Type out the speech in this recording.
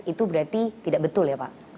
itu berarti tidak betul ya pak